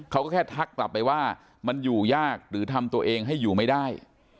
เขาก็แค่ทักกลับไปว่ามันอยู่ยากหรือทำตัวเองให้อยู่ไม่ได้